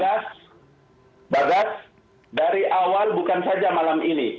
bagas dari awal bukan saja malam ini